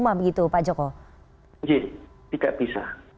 saat itu saya sudah